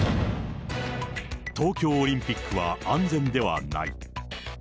東京オリンピックは安全ではない。